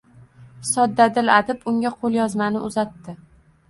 Soddadil adib, unga qo’lyozmani uzatdi.